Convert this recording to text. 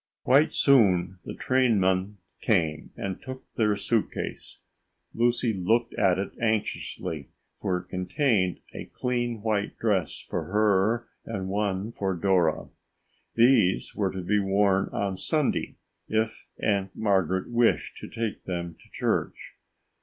Quite soon the trainman came and took their suit case. Lucy looked at it anxiously for it contained a clean white dress for her and one for Dora. These were to be worn on Sunday if Aunt Margaret wished to take them to church.